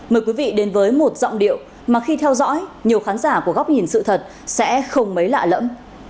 mời quý vị đến với một giọng điệu mà khi theo dõi nhiều khán giả của góc nhìn sự thật sẽ không mấy lạ lẫm